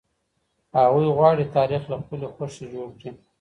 هغوی غواړي تاريخ له خپلي خوښې جوړ کړي.